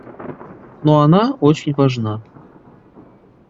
Но она очень важна.